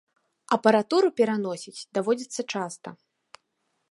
Апаратуру пераносіць даводзіцца часта.